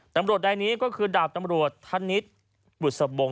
ทำรวจใดนี้ก็คือดาบทำรวจท่านนิจบุษฎาโบง